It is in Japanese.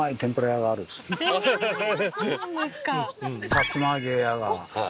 さつま揚げ屋が。